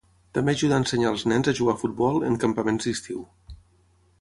També ajuda a ensenyar als nens a jugar a futbol en campaments d"estiu.